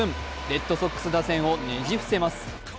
レッドソックス打線をねじ伏せます。